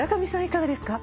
いかがですか？